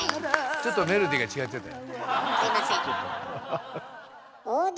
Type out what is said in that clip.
ちょっとメロディーが違ってたよ。